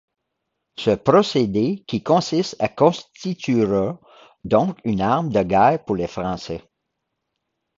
Ce procédé qui consiste à constituera donc une arme de guerre pour les Français.